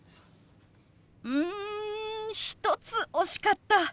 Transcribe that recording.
うん１つ惜しかった！